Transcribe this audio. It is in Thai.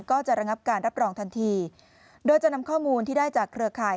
ก็จะระงับการรับรองทันทีโดยจะนำข้อมูลที่ได้จากเครือข่าย